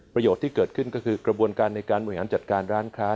ที่เกิดขึ้นก็คือกระบวนการในการบริหารจัดการร้านค้า